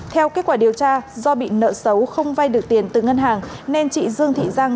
theo kết quả điều tra do bị nợ xấu không vay được tiền từ ngân hàng nên chị dương thị giang